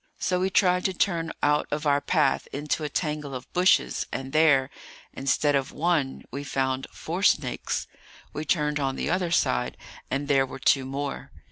So we tried to turn out of our path into a tangle of bushes; and there, instead of one, we found four snakes. We turned on the other side, and there were two more.